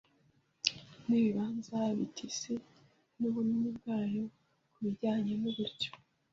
Nibibanza bita Isi nubunini bwayo Kubijyanye nuburyo